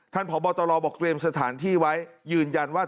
ท่านผอบอตรบอกเกร็มสถานที่ไว้ยืนยันว่าทุกอย่าง